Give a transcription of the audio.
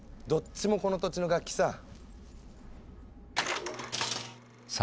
どっちもこの土地の楽器さ。